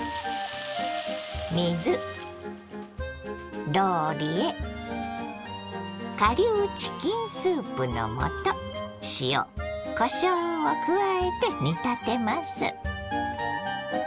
水ローリエ顆粒チキンスープの素塩こしょうを加えて煮立てます。